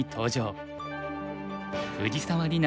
藤沢里菜